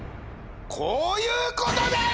こういう事です！